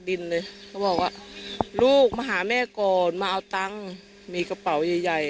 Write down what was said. ดินเลยเขาบอกว่าลูกมาหาแม่ก่อนมาเอาตังค์มีกระเป๋าใหญ่ใหญ่